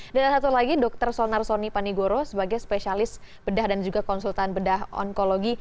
dan ada satu lagi dokter sonar soni panigoro sebagai spesialis bedah dan juga konsultan bedah onkologi